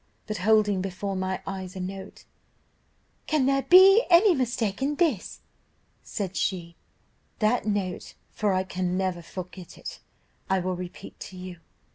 But holding before my eyes a note, 'Can there be any mistake in this?' said she. That note, for I can never forget it, I will repeat to you.